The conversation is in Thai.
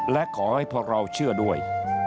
และขอให้พวกเราเชื่อด้วย